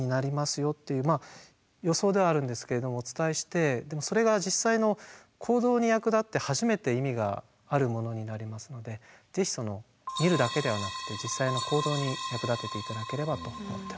よってまあ予想ではあるんですけれどお伝えしてでもそれが実際の行動に役立って初めて意味があるものになりますのでぜひ見るだけではなくて実際の行動に役立てて頂ければと思ってます。